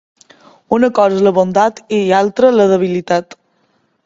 Una cosa és la bondat i altra la debilitat.